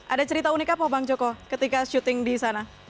ada cerita unik apa bang joko ketika syuting di sana